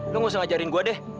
lo gak usah ngajarin gue deh